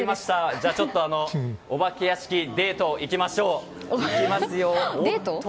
じゃあ、お化け屋敷デートに行きましょう。